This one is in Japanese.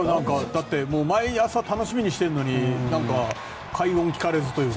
だって毎朝、楽しみにしてるのに快音聞かれずというか。